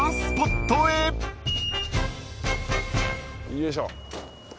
よいしょ。